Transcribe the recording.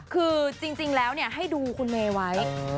คือจริงแล้วให้ดูคุณเมย์ไว้